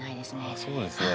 ああそうですね。